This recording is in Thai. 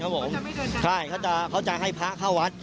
เขาจะไม่เดินกันใช่เขาจะเขาจะให้พระเข้าวัด